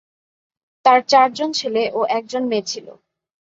তার চারজন ছেলে ও একজন মেয়ে ছিল।